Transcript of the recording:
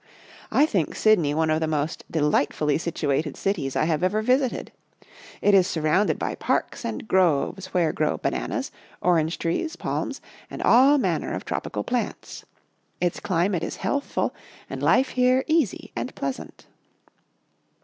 I think Sydney one of the most delightfully situated cities I have ever visited. It is surrounded by parks and groves where grow bananas, orange trees, palms and all manner of tropical plants. Its climate is healthful and life here easy and pleasant."